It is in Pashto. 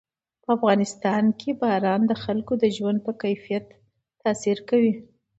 په افغانستان کې باران د خلکو د ژوند په کیفیت تاثیر کوي.